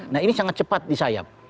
nah ini sangat cepat di sayap